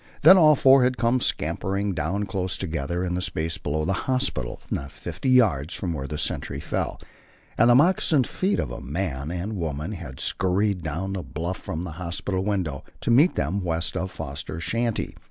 Then all four had come scampering down close together into the space below the hospital, not fifty yards from where the sentry fell, and the moccasined feet of a man and woman had scurried down the bluff from the hospital window, to meet them west of Foster's shanty.